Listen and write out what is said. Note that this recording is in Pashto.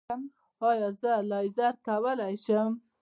ایا زه لیزر کولی شم؟